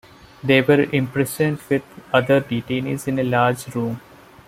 They were imprisoned with other detainees in a large room.